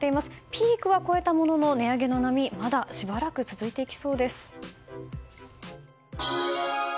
ピークは越えたものの値上げの波はまだしばらく続きそうです。